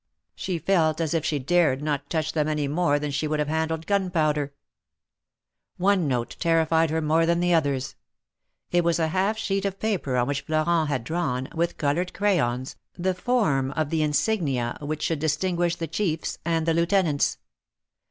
She felt as if she dared not touch them any more than she would have handled gunpowder. One note terrified her more than the others : it was a half sheet of paper on which Florent had drawn, Avith colored crayons, the form of the insignia which should distinguish the chiefs and the lieutenants.